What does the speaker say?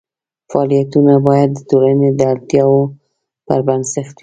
فعالیتونه باید د ټولنې د اړتیاوو پر بنسټ وي.